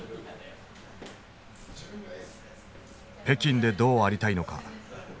北京でどうありたいのか。